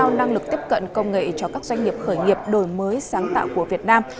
nâng cao năng lực tiếp cận công nghệ cho các doanh nghiệp khởi nghiệp đổi mới sáng tạo của việt nam